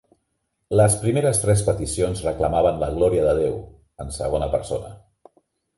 Les primeres tres peticions reclamaven la glòria de Déu en segona persona.